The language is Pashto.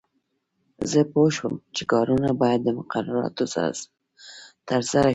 زه پوه شوم چې کارونه باید د مقرراتو سره سم ترسره شي.